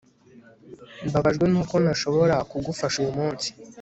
Mbabajwe nuko ntashobora kugufasha uyu munsi